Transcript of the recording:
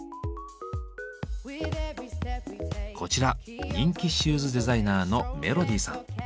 こちら人気シューズデザイナーのメロディさん。